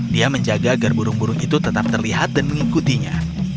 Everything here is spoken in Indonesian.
dia menjaga agar burung burung itu tetap terlihat dan mengikutinya